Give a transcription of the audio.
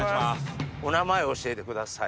お名前教えてください。